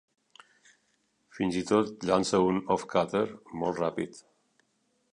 Fins i tot llança un "off cutter" molt ràpid.